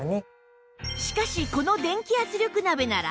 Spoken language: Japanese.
しかしこの電気圧力鍋なら